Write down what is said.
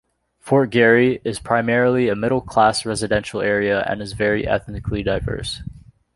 Fort Garry is primarily a middle class residential area and is very ethnically diverse.